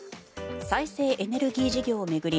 再生エネルギー事業を巡り